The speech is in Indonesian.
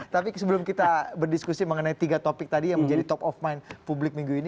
tapi sebelum kita berdiskusi mengenai tiga topik tadi yang menjadi top of mind publik minggu ini